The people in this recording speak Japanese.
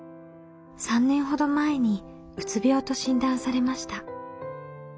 ３年ほど前にうつ病と診断されました。